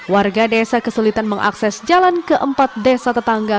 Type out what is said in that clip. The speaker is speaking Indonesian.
warga desa kesulitan mengakses jalan keempat desa tetangga